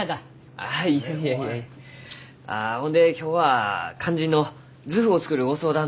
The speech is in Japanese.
あほんで今日は肝心の図譜を作るご相談なんですが。